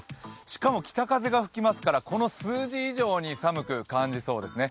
しかも北風が吹きますから、この数字以上に寒く感じそうですね。